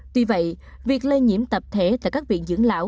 tuy vậy việc lây nhiễm tập thể tại các viện dưỡng lão